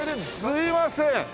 すいません！